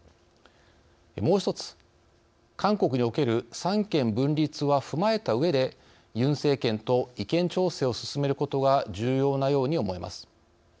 もう１つ韓国における三権分立は踏まえたうえで、ユン政権と意見調整を進めることが重要なように思えます。